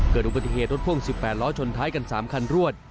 เกิดอุบัติเหตุรถพ่วง๑๘ล้อชนท้ายกัน๓คันรวด